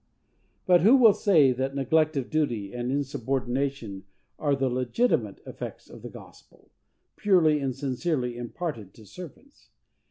But who will say that neglect of duty and insubordination are the legitimate effects of the gospel, purely and sincerely imparted to servants?